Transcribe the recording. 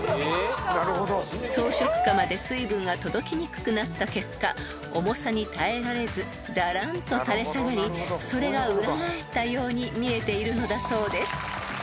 ［装飾花まで水分が届きにくくなった結果重さに耐えられずだらんと垂れ下がりそれが裏返ったように見えているのだそうです］